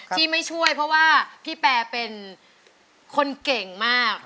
ที่ไม่ช่วยเพราะว่าพี่แปรเป็นคนเก่งมาก